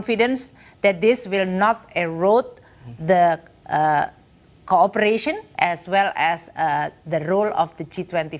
jadi saya yakin bahwa ini tidak akan mengganggu kooperasi dan peran g dua puluh